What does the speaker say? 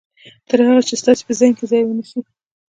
تر هغه چې ستاسې په ذهن کې ځای ونيسي.